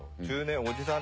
おじさん。